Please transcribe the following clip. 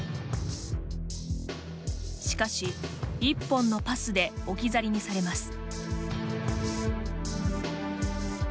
しかし、１本のパスで置き去りにされます。